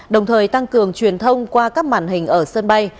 đồng thời tăng cường truyền thông qua các màn hình ở sân bay